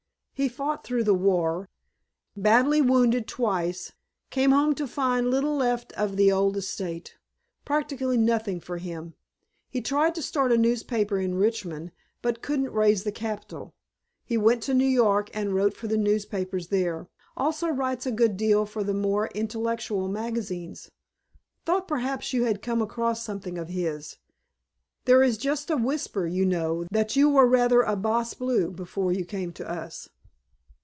He fought through the war, badly wounded twice, came home to find little left of the old estate practically nothing for him. He tried to start a newspaper in Richmond but couldn't raise the capital. He went to New York and wrote for the newspapers there; also writes a good deal for the more intellectual magazines. Thought perhaps you had come across something of his. There is just a whisper, you know, that you were rather a bas bleu before you came to us."